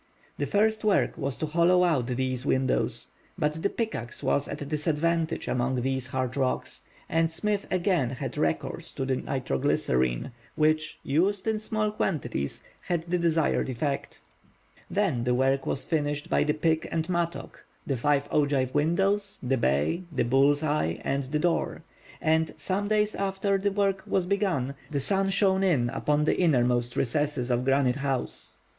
The first work was to hollow out these windows. But the pickaxe was at a disadvantage among these hard rocks, and Smith again had recourse to the nitro glycerine, which, used in small quantities, had the desired effect. Then the work was finished by the pick and mattock—the five ogive windows, the bay, the bull's eyes, and the door—and, some days after the work was begun, the sun shone in upon the innermost recesses of Granite House.